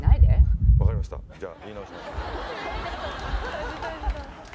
タジタジだ。